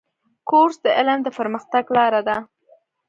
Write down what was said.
کورس د علم د پرمختګ لاره ده.